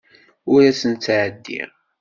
Ur asent-ttɛeddiɣ.